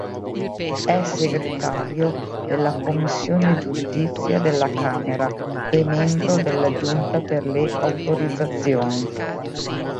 È segretario della Commissione Giustizia della Camera e membro della Giunta per le Autorizzazioni.